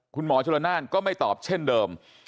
คุณหมอชนละนานก็ไม่ตอบเช่นเดิม